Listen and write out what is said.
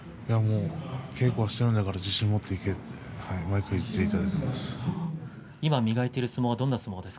稽古をしているんだから自信を持っていけと毎回言っていただいています。